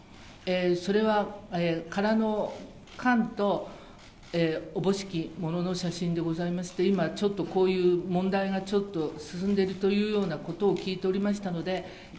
それは、空の缶とおぼしきものの写真でございまして、今、ちょっとこういう問題がちょっと進んでいるというようなことを聞いておりましたので。